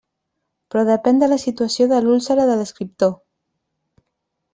Però depén de la situació de l'úlcera de l'escriptor.